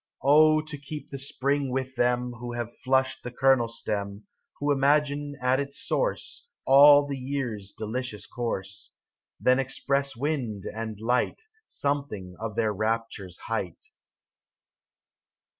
39 Oh, to keep the spring with them Who have flushed the cornel stem, Who imagine at its source All the year*s delicious course, Then express by wind and light Something of their rapture's height